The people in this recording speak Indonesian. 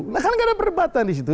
nah kan tidak ada perdebatan disitu